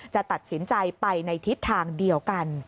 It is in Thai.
จะตัดสินใจไปในทิศทางเดียวกัน